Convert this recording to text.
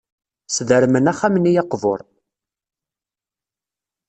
Sdermen axxam-nni aqbur.